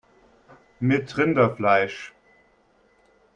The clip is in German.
Mit Rinderfleisch